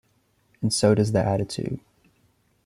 And so does the attitude.